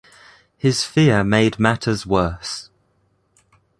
His fear made matters worse.